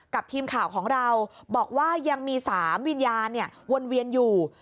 กับทีมข่าวของเราบอกว่ายังมี๓วิญญาณวนเวียนอยู่